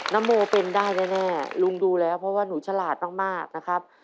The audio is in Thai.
นโมเป็นได้แน่ลุงดูแล้วเพราะว่าหนูฉลาดมากนะครับ